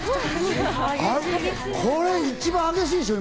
これ一番激しいでしょ？